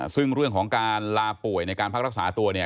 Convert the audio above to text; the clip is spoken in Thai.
ซึ่งเรื่องของการลาป่วยในการพักรักษาตัวเนี่ย